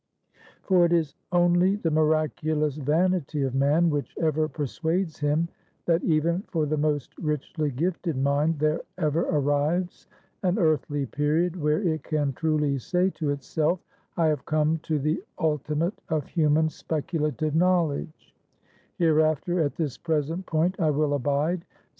For it is only the miraculous vanity of man which ever persuades him, that even for the most richly gifted mind, there ever arrives an earthly period, where it can truly say to itself, I have come to the Ultimate of Human Speculative Knowledge; hereafter, at this present point I will abide.